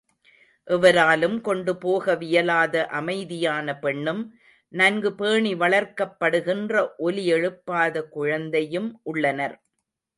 எவராலும் கொண்டு போக வியலாத அமைதியான பெண்ணும், நன்கு பேணி வளர்க்கப்படுகின்ற ஒலி எழுப்பாத குழந்தையும் உள்ளனர்.